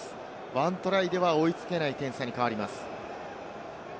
１トライでは追いつけない点差に変わります。